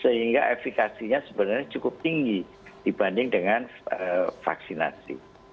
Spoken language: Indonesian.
sehingga efekasinya sebenarnya cukup tinggi dibanding dengan vaksinasi